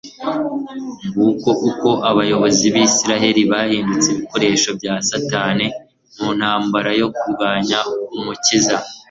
Nguko uko abayobozi b'Isiraeli bahindutse ibikoresho bya Satani mu ntambara yo kurwanya Umukiza.